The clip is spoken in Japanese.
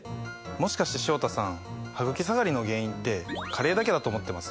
もしかして潮田さんハグキ下がりの原因って加齢だけだと思ってます？